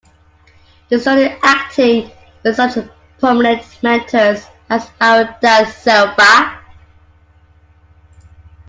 He studied acting with such prominent mentors as Howard Da Silva.